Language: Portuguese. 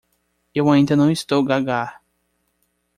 Eu ainda não estou gagá!